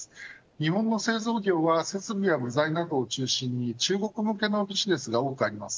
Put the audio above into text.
日本の製造業は設備や部材などを中心に中国向けのビジネスが多くあります。